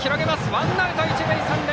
ワンアウト一塁三塁。